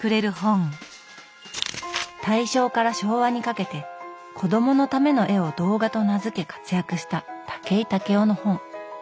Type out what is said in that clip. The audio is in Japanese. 大正から昭和にかけて子供のための絵を「童画」と名付け活躍した武井武雄の本。